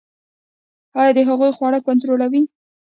ایا د هغوی خواړه کنټرولوئ؟